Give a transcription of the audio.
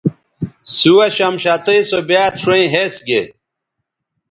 سُوہ شمشتئ سو بیاد شؤیں ھِس گے